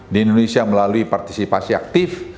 di indonesia melalui partisipasi aktif